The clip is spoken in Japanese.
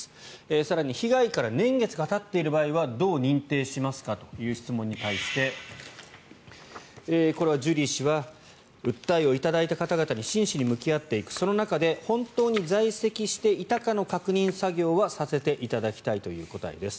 更に被害から年月がたっている場合はどう認定しますかという質問に対してこれはジュリー氏は訴えをいただいた方々に真摯に向き合っていくその中で本当に在籍していたかの確認作業はさせていただきたいという答えです。